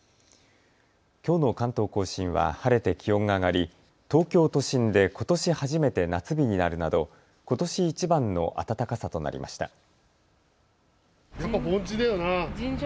きょうの関東甲信は晴れて気温が上がり東京都心でことし初めて夏日になるなどことしいちばんの暖かさとなりました。